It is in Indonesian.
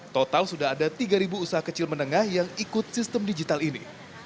total sudah ada tiga usaha kecil menengah yang ikut sistem digital ini